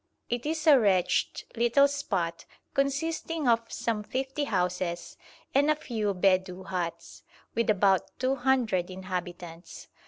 It is a wretched little spot consisting of some fifty houses and a few Bedou huts, with about two hundred inhabitants.